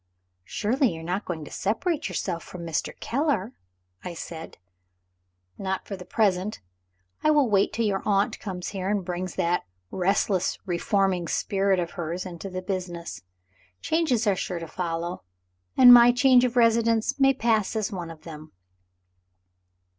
"Surely you are not going to separate yourself from Mr. Keller?" I said. "Not for the present. I will wait till your aunt comes here, and brings that restless reforming spirit of hers into the business. Changes are sure to follow and my change of residence may pass as one of them."